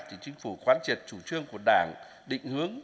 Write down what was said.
thì chính phủ khoán triệt chủ trương của đảng định hướng